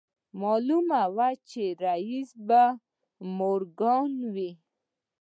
معلومه وه چې رييس به مورګان و.